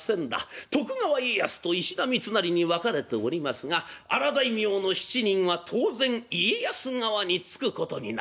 徳川家康と石田三成に分かれておりますが荒大名の７人は当然家康側につくことになる。